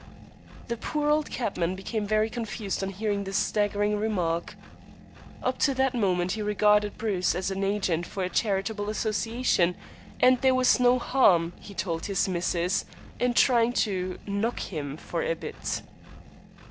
The poor old cabman became very confused on hearing this staggering remark. Up to that moment he regarded Bruce as the agent for a charitable association, and there was no harm, he told his "missus," in trying to "knock him for a bit."